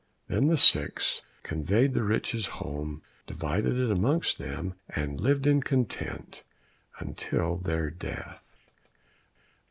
Then the six conveyed the riches home, divided it amongst them, and lived in content until their death.